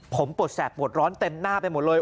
ผมปวดแสบปวดร้อนเต็มหน้าไปหมดเลย